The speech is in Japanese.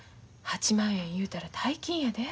８万円いうたら大金やで。